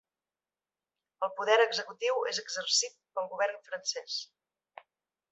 El poder executiu és exercit pel govern francès.